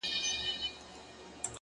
اخلاق د شخصیت هنداره ده